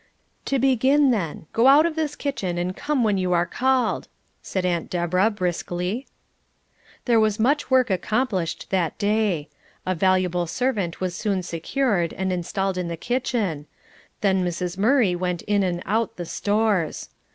"To begin, then: Go out of this kitchen and come when you are called," said Aunt Deborah, briskly. There was much work accomplished that day. A valuable servant was soon secured and installed in the kitchen; then Mrs. Murray went in and out the stores.